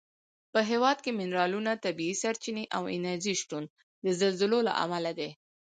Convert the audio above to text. په هېواد کې منرالونه، طبیعي سرچینې او انرژي شتون د زلزلو له امله دی.